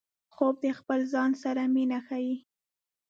خوب د خپل ځان سره مینه ښيي